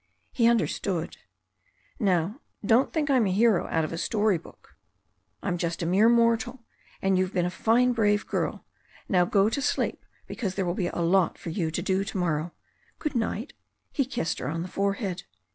He understood. "Now, don't think I'm a hero out of a story book. I'm 88 THE STORY OF A NEW ZEALAND RIVER just a mere mortal. And you've been a fine brave girl. Now go to sleep, because there will be a lot for you to do to morrow. Good night." He kissed her on the forehead.